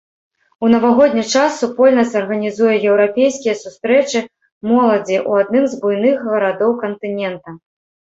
У навагодні час супольнасць арганізуе еўрапейскія сустрэчы моладзі ў адным з буйных гарадоў кантынента.